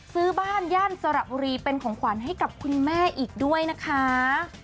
ซื้อบ้านย่านสระบุรีเป็นของขวัญให้กับคุณแม่อีกด้วยนะคะ